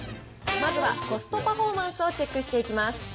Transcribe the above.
まずはコストパフォーマンスをチェックしていきます。